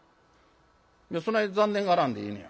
「そない残念がらんでええねや。